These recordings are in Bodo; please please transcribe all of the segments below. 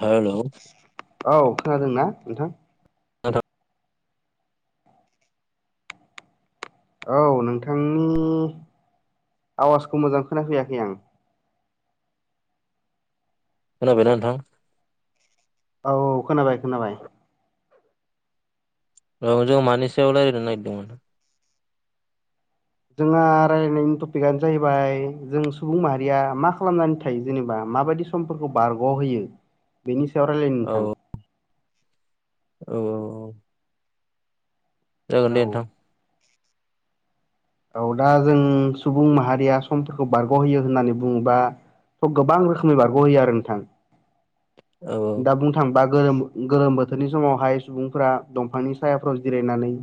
हेलौ। औ खोनादों ना नोंथां? [unintelligible] औ, नोंथांनि आवाजखौ मोजां खोनाफैयाखै आं। खोनाबायना नोंथां? औ- औ, खोनाबाय- खोनाबाय। औ, जों मानि सायाव रायज्लायनो नागिरदोंमोन? जोंहा रायलायनायनि टपिकआनो जाहैबाय, जों सुबुं माहारिया मा खालामनानै थायो जेनेबा माबायदि समफोरखौ बारग'होयो बेनि सायाव रायलायनि औ नोंथां। औ -औ। जागोन औ दे नोंथां। औ दा जों सुबुं माहारिया समफोरखौ बारग'होयो होननानै बुङोबा थ' गोबां रोखोमनि बारग'हैयो आरो नोंथां औ दा बुंनो थांबा गोरोम गोरोम बोथोरनि समावहाय सुबुंफोरा दंफांनि सायाफ्राव जिरायनानै ओ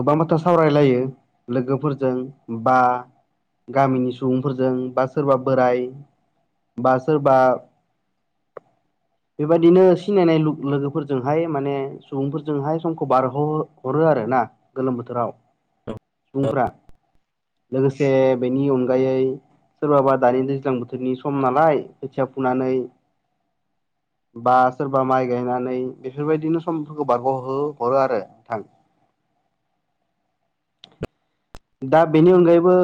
गोबां बाथ सावरायलायो लोगोफोरजों बा गामिनि सुबुंफोरजों बा सोरबा बोराय बा सोरबा बेबायदिनो सिनायनाय लोगोफोरजोंहाय माने सुबुंफोरजोंहाय समखौ बारहो हरो आरो। आरोना गोलोम बोथोराव औ सुबुंफोरा। लोगोसे बेनि अनगायै सोरबाबा दानि दैज्लां बोथोरनि सम नालाय खोथिया फुनानै बा सोरबा माइ गायनानै बेफोरबायदिनो समफोरखौ बारग'हो हरो आरो नोंथां। [inaudible] दा बेनि अनगायैबो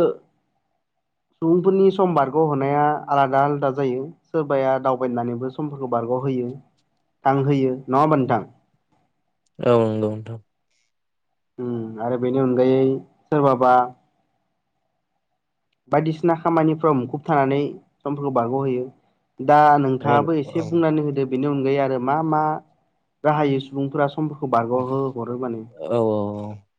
सुबुंफोरनि सम बारग'हरनाया आलादा आलादा जायो सोरबाया दावबायनानैबो समफोरखौ बारग' होयो थां होयो नङा होमा नोंथां? औ नंगौ नोंथां। ओम आरो बेनि अनगायै सोरबाबा बायदिसिना खामानिफ्राव मुखुब थानानै समफोरखौ बारग'होयो। दा नोंथाङाबो औ एसे बुंनानै होदो बेनि अनगायै आरो मा मा ? राहायै सुबुंफोरा समफोरखौ बारग'हो हरो माने।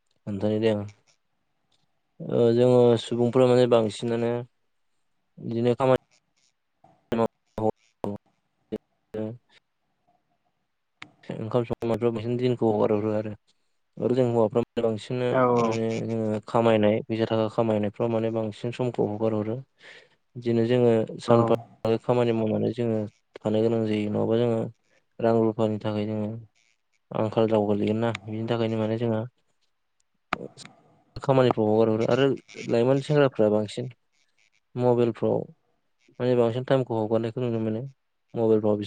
खोन्थानाय द [unintelligible] ओ जोङो सुबुंफोरा माने बांसिनानो जखााम [unintelligible] दा [unintelligible] ओंखाम संग्राफ्रा बिदिनो दिनखौ हगार हरो आरो जों हवाफ्रा बांसिननो औ माने जोङो खामायनाय फैसा थाखा खामायनायफ्राव माने बांसिन समखौ हगार हरो बिदिनो जोङो औ सानफा खामानि मावनानै जोङो थानो गोनां जायो नङाबा जोङो रां रु गावनि थाखाय जोङो आंखाल जागायाव गोग्लैगोन ना बिनि थाखायनो माने जोंहा खामानिफ्राव हगारहरो आरो लाइमोन सेंग्राफ्रा बांसिन मबाइलफ्राव माने बांसिन टाइमखौ हगारनायखौ नुनो मोनो मबाइलफ्राव बि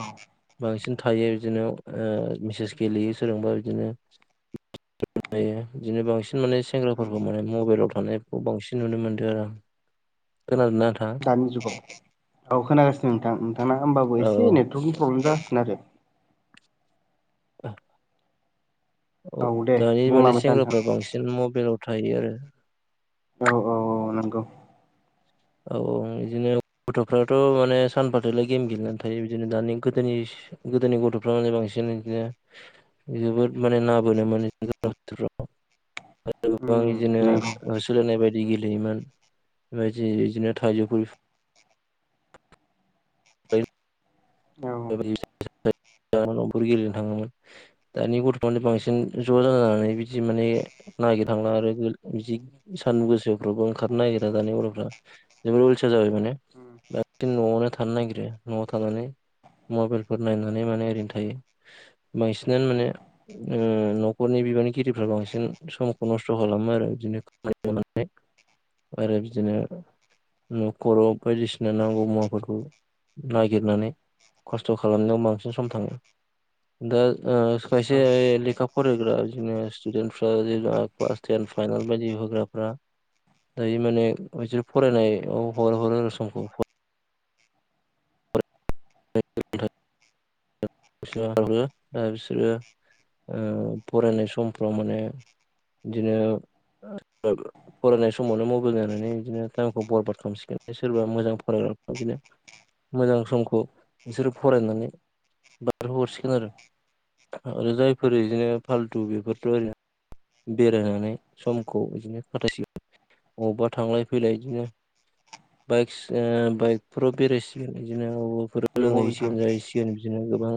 औ बांसिन थायो बिदिनो ओ मेसेस गेलेयो सोरजोंबा बिदिनो बिदिनो बांसिन बांसिन माने सेंग्राफोरखौ माने मबाइलाव थानायखौ बांसिन नुनो मोनदो आरो आं खोनादोंना नोंथाङा गामि जुगाव औ खोनागासिनो नोंथां नोंथांना होमबाबो औ एसे नेटवर्कनि प्रब्लेम जागासिनो आरो [unintelligible] औ दे दानि माने बुंलांबाय था नोंथां सेंग्राफ्रा बांसिन मबाइलाव थायो आरो औ औ औ नंगौ। औ औ उम बिदिनो गथ'फ्राथ' माने सानफाथोलो गेम गेलेनानै थायो बिदिनो दानि गोदोनि गोदोनि गथ'फ्रा माने बांसिन बिदिनो जोबोद माने ना बोनो मोन गोजां‌ बोथोराव उम उम नंगौ [unintelligible] जे बिदिनो थाइजौ फां औ। न'फोर गेलेनो थाङोमोन दानि गथ'फोरानो बांसिन ज' जानानै बि जि माने नागिर थांला आरो बिदि सान्दुं गोसाफ्रावबो ओंखारनो नागिरा दानि गथ'फ्रा बेफोर नंगौ [unintelligible] मबाइलफोर नायनानै माने ओरैनो थायो बांसिनानो माने ओ न'खरनि बिबाननिगिरिफ्रा बांसिन समखौ नस्थ' खालामो आरो बिदिनो खाम आरो बिदिनो न'खर खस्थ' खालामनायाव बांसिन सम थाङो दा ओ खायसे लेखा फरायग्रा बिदिनो स्टुडेन्टफ्रा जेनबा क्लास टेन फाइनेल बायदि होग्राफ्रा। दायो माने बिसोर फरायनायाव हगार हरो आरो समखौ। [unintelligible] दा बिसोरो ओ फरायनाय समफ्राव माने बिदिनो फरायनाय समावनो मबाइल नायनानै बिदिनो टाइमखौ बरबाद खालामसिगोन सोरबा मोजां फराय बिदिनो मोजां समखौ बिसोर फरायनानै। हरसिगोन आरो आरो जायफोर बिदिनो फालथु बेफोरथ' ओरैनो। बेराय होनानै समखौ बिदिनो खाथायसिगोन। अबावबा थांलाय फैलाय बिदिनो बाइक ओ बाइकफोराव बेरायसिगोन बिदिनो नंगौ नोंथां लोंहैसिगोन जाहैसिगोन बिदिनो गोबां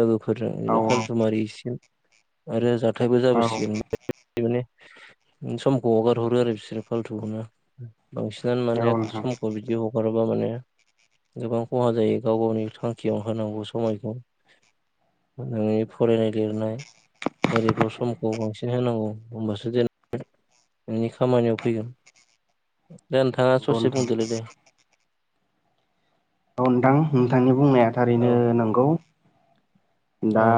लोगोफोरजों औ बिदिनो फालथुमारिहैसिगोन आरो जाथायबो औ जाबोसिगोन। बिदिनो समखौ हगार हरो आरो बिसोरो फाल्थुखौनो बांसिन गोन माने औ नोंथां समखौ बिदि ह हारबा माने गोबां खहा जायो गाव गावनि थांखियाव होनांगौ समायखौ नोंनि फरायनाय लिरनाय बायदिफ्राव समखौ बांसिन। सिन होनांगौ होमबासो जेन। नोंनि खामानियाव फैगोन दा नोंथाङा नंगौ ससे नोंथां बुंदोलै दे। औ नोंथां नोंथांनि बुंनाया औ थारैनो नंगौ। दा औ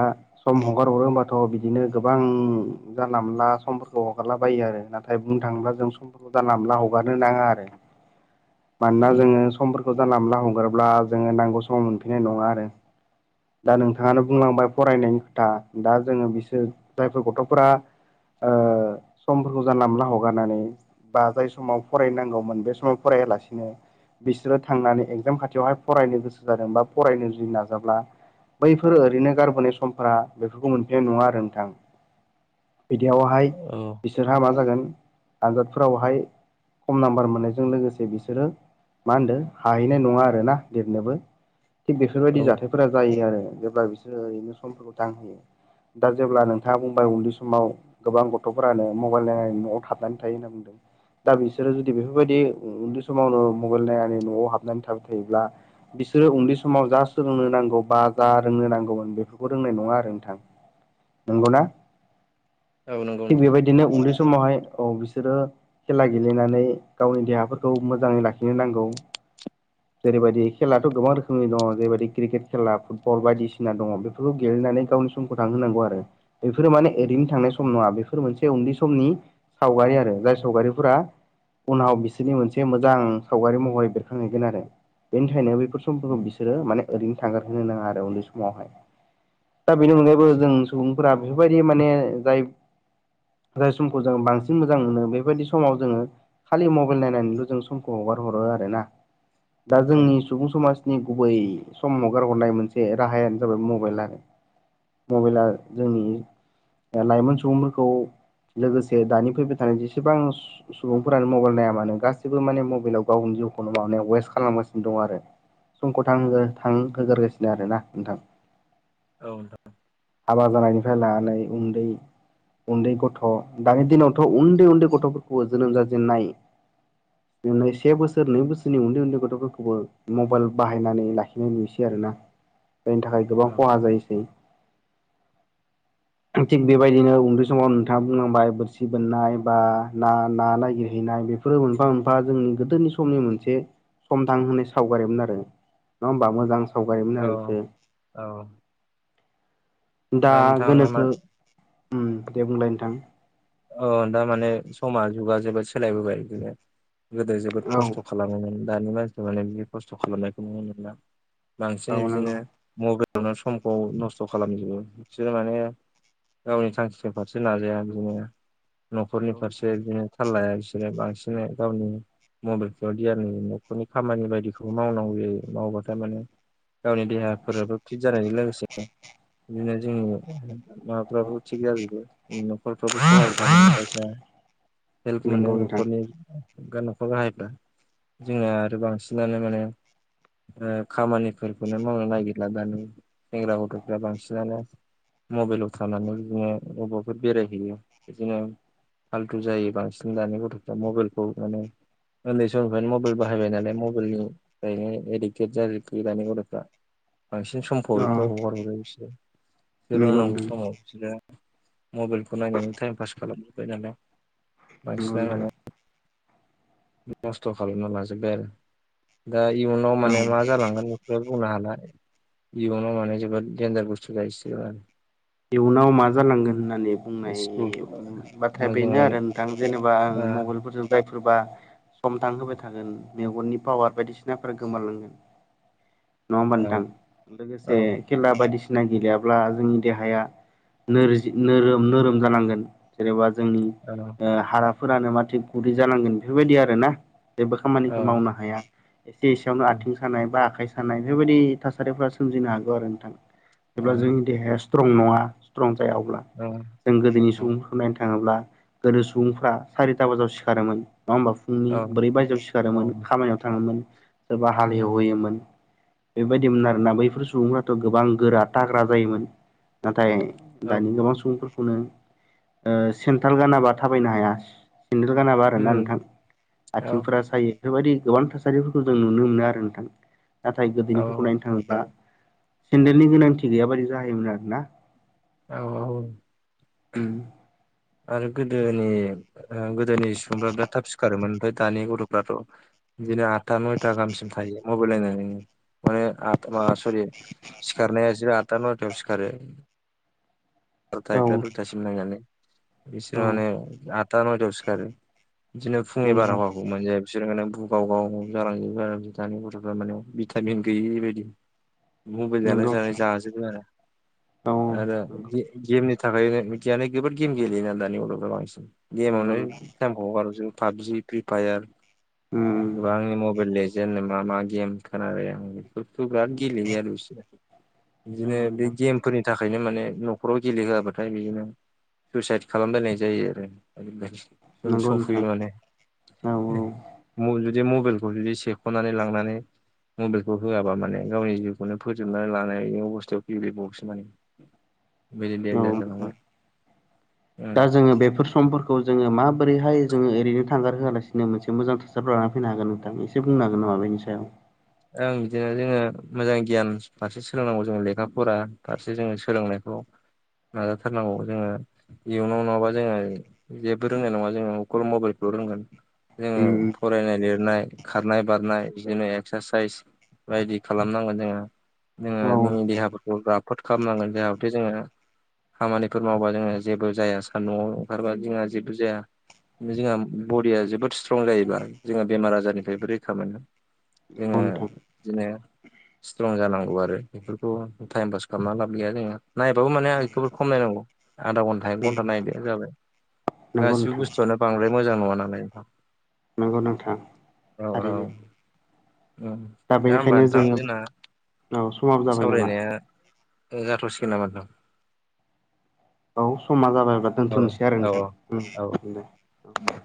सम हगार हरो हबाथ' बिदिनो गोबां जानला मोनला समफोरखौ हगारलाबायो आरो नाथाय बुंनो थाङोब्ला जों समफोरखौ जाना मोनला‌ हगारनो नांआ आरो। मानोना जों उम समफोरखौ जानला मोनला हगार अब्ला जोङो नांगौ समाव मोनफैनाय नङा आरो। दा नोंथाङानो बुंलांबाय फरायनायनि खोथा दा जोङो बिसोर जायफोर गथ'फोरा समफोरखौ जानला मोनला हगारनानै बा जाय समाव फरायनांगौमोन बे समाव फरायालासिनो बिसोरो थांनानै एगजाम खाथि बिवहाय फरायनो गोसो जादों बा फरायनो जुदि नाजाब्ला बैफोर ओरैनो गारबोनाय समफोरा बेफोरखौ मोनफिनाय नङा आरो नोंथां। बिदियावहाय औ बिसोरहा मा जागोन आनजादफोरावहाय खम नाम्बार मोननायजों लोगोसे बिसोरो मा होनदों हाहैनाय नङा आरो। आरो ना लेरनोबो थिग बेफोरबायदि औ जाथायफोरा जायो आरो। जेब्ला बिसोरो ओरैनो समफोरखौ दांहोयो । दा जेब्ला नोंथाङा बुंबाय उन्दै समाव गोबां गथ'फोरानो मबाइल नाय न'आव थाबनानै थ होनना बुंदों दा बिसोरो जुदि बेफोरबायदि उन्दै समावनो मबाइल नायनानै न'आव हाबनानै थाब हैैब्ला बिसोरो उन्दै समाव जा सोलोंनो नांगौ बा जा रोंनो नांगौमोन बेफोरखौ रोंनाय नङा आरो नोंथां। नंगौना औ नंगौ थिग नोंथां बेबायदिनो उंलिस समावहाय औ बिसोरो खेला गेलेनानै गावनि देहाफोरखौ मोजाङै लाखिनो नांगौ। [inaudible] जेरैबायदि खेलाथ' गोबां रोखोमनि दङ जेरैबायदि क्रिकेट खेला फुटबल बायदिसिना दङ बेफोरखौ गेलेनानै गावनि समखौ थांांगौ आरो बेफोरो माने ओरैनो थांनाय सम नङा बेफोर मोनसे। उन्दै समनि सावगारि आरो जाय सावगारिफोरा उनाव बिसोरनि मोनसे मोजां सावगारि महरै बेरखांहैगोन आरो। बेनिखायनो बैफोर समफोरखौ बिसोरो माने ओरैनो थांगार होनोनो नाङा आरो उन्दै समावहाय दा बेनि अनगायैबो जों सुबुंफोरा बेफोरबायदि माने जाय जाय समखौ जों बांसिन मोजां मोनो बेबायदि समाव जोङो खालि मबाइल नायनानैल' जों समखौ हगार हरो आर ना दा औ जोंनि सुबुं समाज नि गुबै समावगारहरनाय मोनसे राहायानो जाबाय मबाइल आरो मबाइला जोंनि लाइमोन सुबुंफोरखौ लोगोसे दानि फैबाय थानाय जेसेबां सुबुंफोरानो मबाइल नाया मानो गासैबो माने मबाइलाव गाव म खालामगासिनो दं आरो समखौ थां होगोरगासिनो आरोोना नोंथां औ नोंथां हाबा जानायनिफ्राय लानानै उन्दै उन्दै गथ' दानि दिनावथ' उन्दै उन्दै गथ'फोरखौ जोनोम जाजेनन्नाय न से बसोर नै बसोर उन्दे उन्दे फथ'फोरखौबो मबाइल बाहायनानै लाखिनाय नुयोसै आरोना जायनि थाखाय गोबां औ खहा जायोसै थिग बेबायदिनो उन्दै समाव नोंथाङा बुंनांबाय बोरसि बोननाय बा ना ना नागिरहैनाय बे बेफोरो मोनफा मोनफा जोंनि गोदोनि समनि मोनसे समथां होनाय सावगारिमोन आरो नङा होमबा मोजां सावगायोमोन औ आरो बेसे औ दा नोंथाङा मा गोनोखो दे बुंलाय नोंथां औ दारमाने समा जुगा जोबोद सोलायबोबाय बिनो गोदो जोबोद औ खस्थ' खालामोमोन दानि मानसिफ माने बि खस्थ' खालामनायखौ नुनोना बांसिन औ नंगौ बिदिनो मबाइलावनो समखौ नस्थ' खालामजोबो बिसोर माने गावनि थांखिनि फारसे नाजाया बिदिनो न'खरनि नंगौ नोंथां फारसे बिदिनो थाललाया बिसोरो बांसिनै गावनि मबाइलफ्राव दय न न'खरनि खामानि बायदिखौ मावनांगौ जायो मावबा थारमाने गावनि देहाफोराबो फिट जानायजों लोगोसे बिदिनो जोंनि [unintelligible] माबाफ्राबो थिग जाजोबो न'खरफ्राबो सहाय [unintelligible] हेल्प मोनो नंगौ नोंथां न'खरनि [unintelligible] न'खर गाहायब्ला जोंना आरो बांसिनानो माने खामानिफोरखौनो मावनो नागिरला दानि सेंग्रा गथ'फ्रा बांसिनानो मबाइलाव थानानै बिदिनो बबाफोर बेरायहैयो बिदिनो फाल्थु जायो बांसिन दानि गथ'फ्रा मबाइलखौ माने उन्दै समनिफ्रायनो मबाइल बाहायबाय नालाय मबाइलनिफ्रायनो एडिकटेट जायो आरोखि दानि गथ'फ्रा बांसिन समखौ अ बेफोराव हगार हरो बिसोर नंगौ सोलोंनांगौ नोंथां समाव बिसोरो मबाइलखौ नायनानै टाइम पास खालामबाय नालाय नंगौ नोंथां बांसिनानो [unintelligible] खस्थ' खालामना लाजोबबाय आरो दा इयुनाव माने औ मा जालांगोन बेखौ बुंनो हाला जिबनाव माने जोबोद देनजार बुस्थु जाहैसिगोन इयुनाव मा जालांगोन होननानै बे बुंनाय स्कुल बाथ्राया जों बेनो माने आरो नोंथां जेनेबा आं औ मबेलफोरजों जायफोरबा सम थां होबाय थागोन मेगननि पावार बायदिसिनाफोरा गोमलांगोन नङा होमबा नोंथां औ लोगोसे औ खेला बायदिसिना गेलेयाब्ला जोंनि देहाया नोरो नोरोम नोरोम जालांगोन जेनेबा जोंनि ओ हारा फोरानो माथिग गुरै जालांगोन बेफोरबायदि आरोना जेबो खामानिखौ औ मावनो हाया एसे एसेयावनो औ आथिं सानाय बा आखाइ सानाय बेबायदि थासारिफोरा सोमजिनो हागौ आरो नोंथां जेब्ला जोंनि देहाया स्ट्रं नङा स्ट्रं [unintelligible] अब्ला जों गोदोनि सुबुंफोरखौ नायनो थाङोब्ला गोदो सुबुंफ्रा सारिता बाजायाव सिखारोमोन मा होमबा फुंनि ब्रै बाजिआव सिखारोमोन खामानियाव थाङोमोन सोरबा हालेवहैयोमोन बेबायदिमोन आरोना बैफोर सुबुंफ्राथ' गोबां गोरा थाग्रा जायोमोन नाथाय औ दानि गोबां सुबुंफोरखौनो ओ सेनथाल गानाबा थाबायनो हाया सेन्देल गानाबा आरो ना उम नोंथां औ आथिंफोरा सायो। बेफोरबायदि गोबां थासारिफोरखौ जों नुनो मोनो आरो नोंथां नाथाय औ गोदोनिफोरखौ नायनो थाङोब्ला सेन्देलनि गोनांथि गैया बादि जाहायोमोन आरो ना औ औ उम आरो गोदोनि ओ गोदोनि सुबुंफोरा बिराद थाब सिखारोमोन। आमफाय दानि गथ'फ्राथ' बिदिनो आदथा नयथा गाहामसिम थायो मबाइल नायनानै माने आ म सरि सिखारनाया बिसोर आदथा नयथायाव सिखारो। औ एकथा दुथासिम नायनानै बिसोरो औ माने आठथा नयथायाव सिखारो बिदिनो फुंनि नंगौ बारहावाखौ मोनजाया बिसोर बुगाव गाव जालांजोबो दानि गथ'फ्रा माने भिटामिन गैयि बायदि मबाइलजोंनो जानाय नंगौ जानाय जाजोबो आरो औ आरो नंगौ बि गेमनि थाखायनो [unintelligible] जोबोद गेम गेलेयोना दानि गथ'फ्रा बांसिन नंगौ गेमावनो नोंथां टाइमखौ हगार हरजो पाबजि फ्रि फायार उम गोबांनि मबेल लेजेन जेनो मा मा गेम खोनारायो आं बिराद गेलेयो आरो बिसोरो बिदिनो नंगौ बे नोंथां गेमफोरनि थाखायनो माने न'ख न'खराव गेलेहोआबाथाय बिदिनो सुइसाइद खालामलायनाय जायो आरो [unintelligible] जों नंगौ सफैयो नोंथां माने औ [unintelligible] बि मबाइलखौ बिदि सेख'नानै लांनानै मबाइलखौ होआबा माने गावनि जिउखौनो फोजोबनानै लानाय अबस्थायाव फैयो [unintelligible] बे देनजार औ नोंथां जालांबाय दा जोङो बेफोर समफोरखौ जोङो माबोरैहाय जोङो ओरैनो थांगार होआलासिनो मोनसे मोजां थासारि लानानै फैनो हागोन नोंथां एसे बुंनो हागोन नामा बेनि सायाव? ओं बिदिनो जोङो मोजां गियान फारसे सोलोंनांगौ जोङो लेखा फरा फारसे जोङो सोलोंनायखौ नाजाथारनांगौ जोङो इयुनाव नङाबा जोङो जेबो रोंनाय नङा जोङो अकल मबाइलखौ रोंगोन जोङो उम फरायनाय लिरनाय खारनाय बारनाय बिदिनो एक्सारसाइस बायदि खालामनांगोन जोङो औ जोङो नोंनि नंगौ देहाफोरखौ रा फोद खालामनांगोन जाहाथे जोङो खामानिफोर मावबा जोङो जेबो जाया सान्दुंआव ओंखारबा जोंहा जेबो जाया। जोंहा बडिया जोबोद स्ट्रं जायोब्ला जोंहा बेमार आजारनिफ्रायबो रैखा मोनो। जोङो नोंथां बिदिनो स्ट्रं जानांगौ आरो बेफोरखौ टाइम पास खालामना लाब गैया जोङो नायबाबो माने बेखौबो खमायनांगौ। आधा घन्टा एक घन्टा नायदो जाबाय [inaudible] गासिबो बुस्थुआनो बांद्राय मोजां नङा नालाय नोंथां। नंगौ नोंथां औ औ थारैनो। उम दा होमबा बेनिखायनो नोंथां जोङो जोंना औ समाबो जाबाय नामा सावरायनाया जाथ'सि [unintelligible] औ समा जाबायब्ला दोनथ'नसै आरो औ औ औ नोंथां दे औ।